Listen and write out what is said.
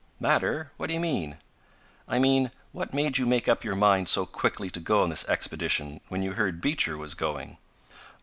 "Matter? What do you mean?" "I mean what made you make up your mind so quickly to go on this expedition when you heard Beecher was going?"